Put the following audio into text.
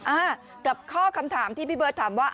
อ่ากับข้อคำถามที่พี่เบิร์ตถามว่า